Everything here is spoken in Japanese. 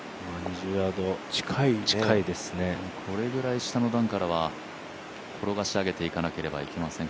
これぐらい下の段からは転がし上げていかなければいけません。